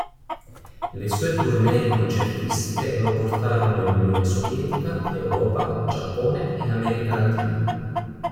Le sue tournée concertistiche lo portarono in Unione Sovietica, Europa, Giappone e America Latina.